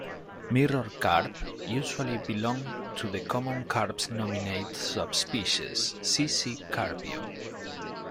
Mirror carp usually belong to the common carp's nominate subspecies, "C. c. carpio".